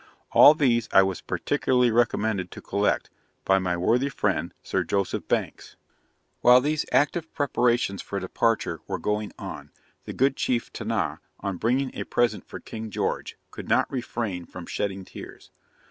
All these I was particularly recommended to collect, by my worthy friend Sir Joseph Banks.' While these active preparations for departure were going on, the good chief Tinah, on bringing a present for King George, could not refrain from shedding tears.